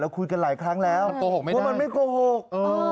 คุยกันหลายครั้งแล้วว่ามันไม่โกหก